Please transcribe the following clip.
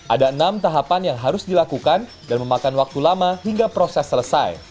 ada enam tahapan yang harus dilakukan dan memakan waktu lama hingga proses selesai